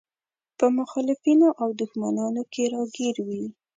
په مخالفينو او دښمنانو کې راګير وي.